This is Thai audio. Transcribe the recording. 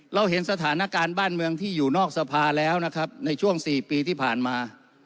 เราเห็นสถานการณ์บ้านเมืองที่อยู่นอกสภาแล้วนะครับในช่วง๔ปีที่ผ่านมา